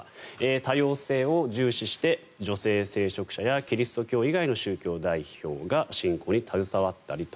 多様性を重視して、女性聖職者やキリスト教以外の宗教代表が進行に携わったりと。